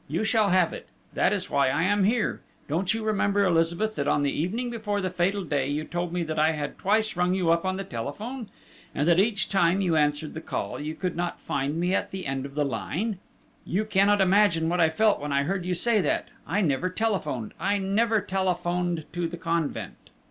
You shall have it that is why I am here.... Don't you remember, Elizabeth, that on the evening before the fatal day you told me that I had twice rung you up on the telephone? And that each time you answered the call you could not find me at the end of the line?... You cannot imagine what I felt when I heard you say that! I never telephoned! I never telephoned to the convent!